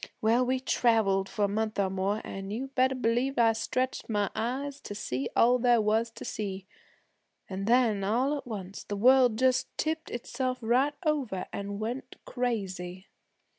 Well, we traveled for a month or more, an' you better b'lieve I stretched my eyes to see all there was to see. An' then, all at once, the world just tipped itself right over an' went crazy.